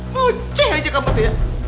mucik aja kepompongnya